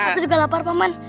aku juga lapar paman